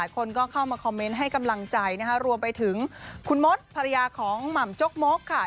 คนก็เข้ามาคอมเมนต์ให้กำลังใจนะคะรวมไปถึงคุณมดภรรยาของหม่ำจกมกค่ะ